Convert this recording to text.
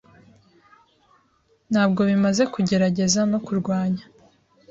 Ntabwo bimaze kugerageza no kurwanya.